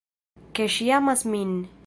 Ke ŝi amas min?